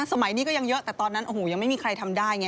สมัยนี้ก็ยังเยอะแต่ตอนนั้นโอ้โหยังไม่มีใครทำได้ไง